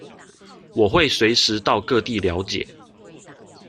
我會隨時到各地了解